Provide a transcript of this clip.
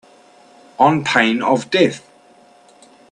On pain of death